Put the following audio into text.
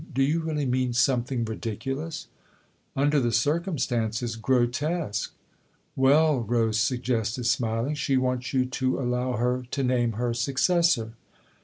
" Do you really mean something ridiculous ?"" Under the circumstances grotesque." "Well," Rose suggested, smiling, "she wants you to allow her to name her successor."